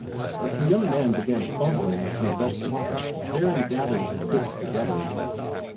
As the young man began fumbling in a vest pocket, Theron gathered his wits together.